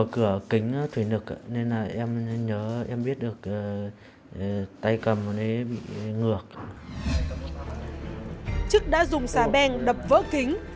chức đã dùng xà bèn đập vỡ kính